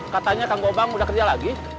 katanya kang gobang udah kerja lagi